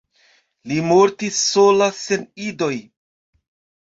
Li mortis sola sen idoj.